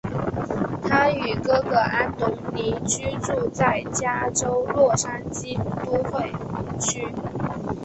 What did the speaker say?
他与哥哥安东尼居住在加州洛杉矶都会区。